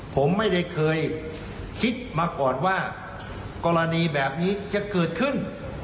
ผมไม่ได้เคยคิดมาก่อนว่ากรณีแบบนี้จะเกิดขึ้น